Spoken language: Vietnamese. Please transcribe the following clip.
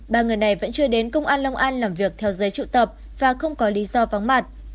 ba người này vẫn chưa đến công an long an làm việc theo giấy triệu tập và không có lý do vắng mặt